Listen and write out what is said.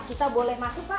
kita boleh masuk pak